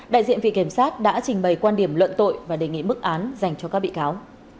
đại diện vị kiểm sát đã trình bày quan điểm luận tội và đề nghị mức án dành cho các bị cáo